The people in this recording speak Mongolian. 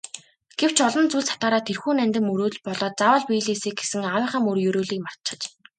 Гэвч олон зүйлд сатаараад тэрхүү нандин мөрөөдөл болоод заавал биелээсэй гэсэн аавынхаа ерөөлийг мартчихаж.